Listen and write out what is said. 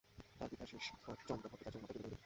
তার পিতা শ্রীশচন্দ্র ভট্টাচার্য এবং মাতা বিনোদিনী দেবী।